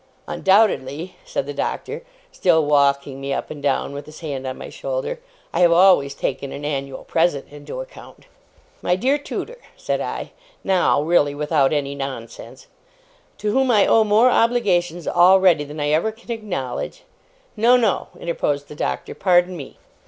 Undoubtedly,' said the Doctor, still walking me up and down with his hand on my shoulder. 'I have always taken an annual present into account.' 'My dear tutor,' said I (now, really, without any nonsense), 'to whom I owe more obligations already than I ever can acknowledge ' 'No, no,' interposed the Doctor. 'Pardon me!